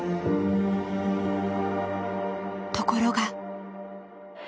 ところが。